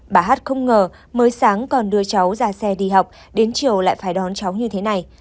bà hát không ngờ mới sáng còn đưa cháu ra xe đi học đến chiều lại phải đón cháu như thế này